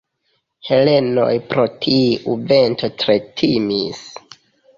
Helenoj pro tiu vento tre timis.